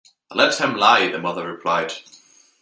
“Let him lie,” the mother replied.